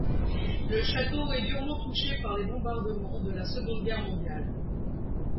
Le château est durement touché par les bombardements de la Seconde Guerre mondiale.